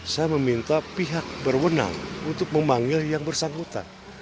saya meminta pihak berwenang untuk memanggil yang bersangkutan